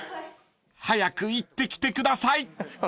［早く行ってきてください］